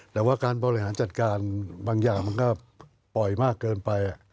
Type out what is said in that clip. แต่ว่าการบริหารจัดการบางอย่างมันก็ปล่อยมากเกินไป